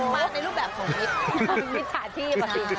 มาในรูปแบบผมนี้